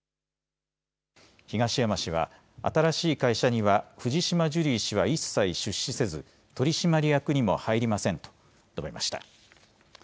東山氏は、新しい会社には、藤島ジュリー氏は一切出資せず、取締役にも入りませんと述べました。